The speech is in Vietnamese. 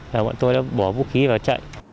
và bọn tôi đã bỏ vũ khí vào chạy